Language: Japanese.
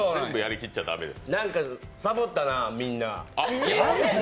なんかサボったな、みんな。